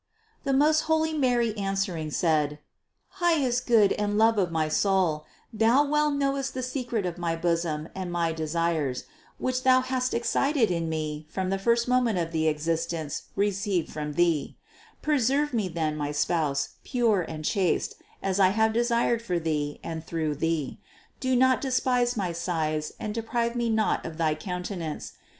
750. The most holy Mary answering said: "Highest Good and Love of my soul, Thou well knowest the secret of my bosom and my desires, which Thou hast excited in me from the first moment of the existence received from Thee; preserve me, then, my Spouse, pure and chaste, as I have desired for Thee and through Thee. Do not despise my sighs and deprive me not of thy countenance.